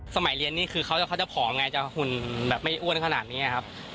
สมัยเรียนนี่คือเขาจะผอมไงจะหุ่นแบบไม่อ้วนขนาดนี้ครับ